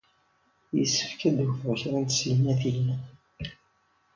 Yessefk ad d-wteɣ kra n tsegnatin.